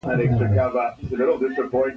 راکټ د بېپيلوټه الوتکو مرسته کوي